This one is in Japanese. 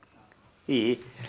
いい？